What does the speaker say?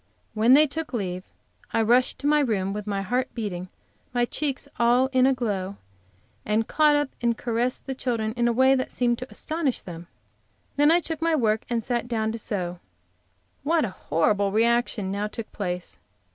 When they took leave I rushed to my room with my heart beating, my cheeks all in a glow, and caught up and caressed the children in a way that seemed to astonish them. Then I took my work and sat down to sew. What a horrible reaction now took place!